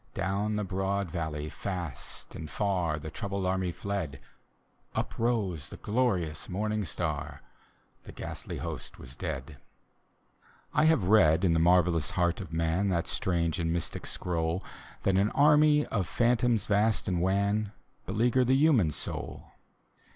Down the broad valley fast and far The troubled army fled: Up rose the glorious morning star, The ghastly host was dead. D,gt,, erihyGOO^Ie The Beleaguered City I have read in the marvellous heart of man, That strange and mystic scroll, That an army of phantoms vast and wan Beleaguer the human soul.